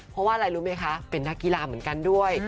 เพราะว่าอะไรรู้ไหมคะเป็นนักกีฬาเหมือนกันด้วย